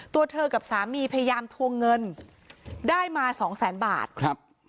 ตัวเธอกับสามีพยายามทวงเงินได้มาสองแสนบาทครับ